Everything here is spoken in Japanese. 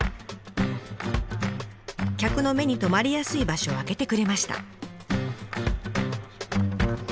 客の目に留まりやすい場所を空けてくれました。